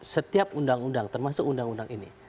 setiap undang undang termasuk undang undang ini